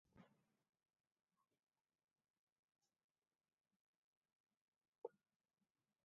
Tangu miaka ya elfu moja mia tisa tisini na kuua raia wengi ambapo wengi wao ni katika mashambulizi ya usiku wa manane.